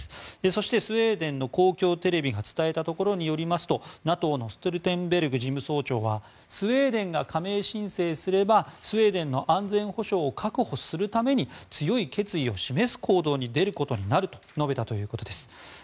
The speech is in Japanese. そして、スウェーデンの公共テレビが伝えたところによりますとＮＡＴＯのストルテンベルグ事務総長はスウェーデンが加盟申請すればスウェーデンの安全保障を確保するために強い決意を示す行動に出ることになると述べたということです。